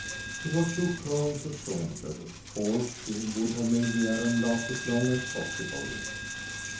It was too cold to saunter, or she would have made the errand last as long as possible.